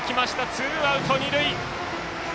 ツーアウト、二塁。